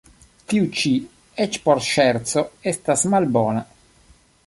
Tiu ĉi eĉ por ŝerco estas malbona.